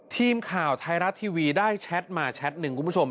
ทีมข่าวไทยรัฐทีวีได้แชทมาแชทหนึ่งคุณผู้ชม